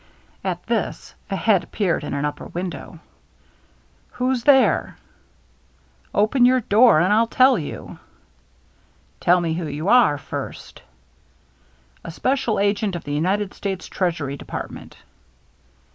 At this, a head appeared in an upper window. THE MEETING 323 "Who's there?" " Open your door and FU tell you." " Tell me who you are, first." "A special agent of the United States Treasury Department."